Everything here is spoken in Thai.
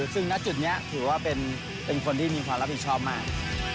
ซึ่งณจุดนี้ถือว่าเป็นคนที่มีความรับผิดชอบมาก